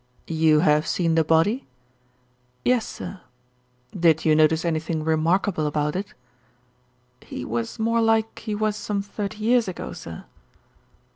"You have seen the body?" "Yes, sir." "Did you notice anything remarkable about it?" "He was more like he was some thirty years ago, sir."